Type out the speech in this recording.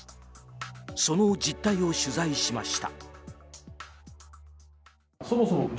その実態を取材しました。